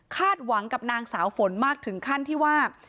หวังกับนางสาวฝนมากถึงขั้นที่ว่า